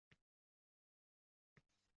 It ham joyidan jilmasdi.